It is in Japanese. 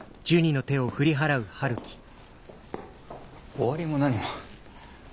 終わりも何も。